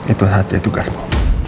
itu hati itu tugasmu